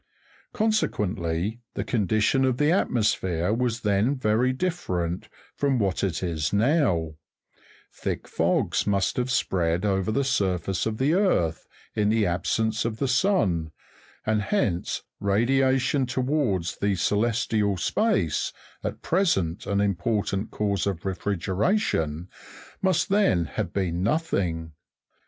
Consequently, the condition of the atmosphere was then very different from what it is now ; thick fogs must have spread over the surface of the earth, in the absence of the sun, and hence radialion towards the celestial space, at present an important cause of refrigeration, must then have been nothing.